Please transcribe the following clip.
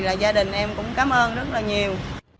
là gia đình em cũng cảm ơn rất là nhiều